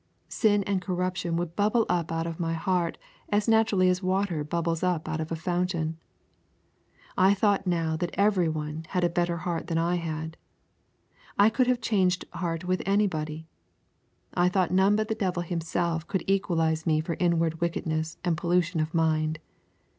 Sin and corruption would bubble up out of my heart as naturally as water bubbles up out of a fountain. I thought now that every one had a better heart than I had. I could have changed heart with anybody. I thought none but the devil himself could equalise me for inward wickedness and pollution of mind.